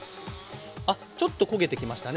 あっちょっと焦げてきましたね。